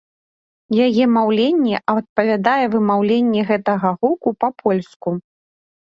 Яе вымаўленне адпавядае вымаўленне гэтага гуку па-польску.